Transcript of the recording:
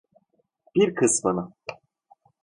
Bir kısmını.